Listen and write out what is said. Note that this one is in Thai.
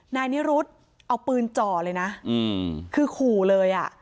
นายนิรุธเอาปืนจ่อเลยนะคือขู่เลยอ่ะ